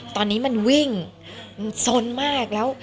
ตอนนี้มันวิ่งซนมาก